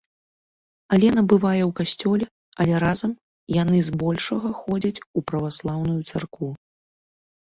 Алена бывае ў касцёле, але разам яны збольшага ходзяць у праваслаўную царкву.